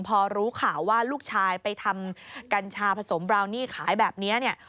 พอรู้ข่าวว่าลูกชายไปทำกัญชาผสมบราวนี่ขายแบบนี้เนี่ย